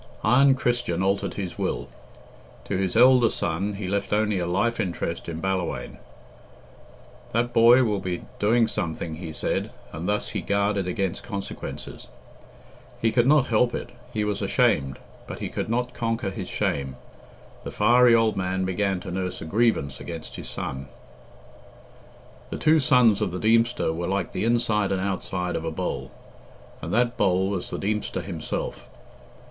Iron Christian altered his will. To his elder son he left only a life interest in Ballawhaine. "That boy will be doing something," he said, and thus he guarded against consequences. He could not help it; he was ashamed, but he could not conquer his shame the fiery old man began to nurse a grievance against his son. The two sons of the Deemster were like the inside and outside of a bowl, and that bowl was the Deemster himself.